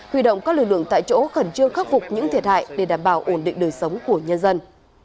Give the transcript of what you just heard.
huy động các lực lượng tại chỗ khẩn trương khắc phục những thiệt hại để đảm bảo ổn định đời sống của nhân dân